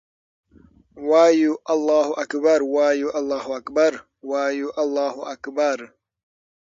وایو الله اکــبر، وایو الله اکـــبر، وایـــــو الله اکــــــــبر